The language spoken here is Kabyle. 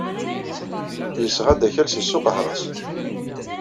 Yesɣa-d akal seg Suq Ahṛas.